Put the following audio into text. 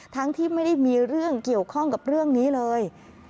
ทั้งที่ไม่ได้มีเรื่องเกี่ยวข้องกับเรื่องนี้เลย